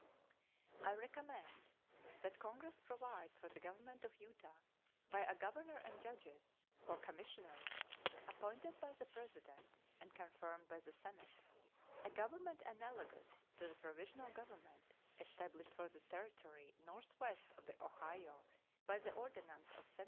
I recommend that Congress provide for the government of Utah by a governor and judges, or commissioners, appointed by the President and confirmed by the Senate a government analogous to the provisional government established for the territory northwest of the Ohio by the ordinance of 1787.